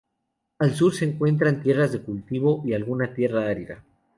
Al sur, se encuentran tierras de cultivo y alguna tierra árida.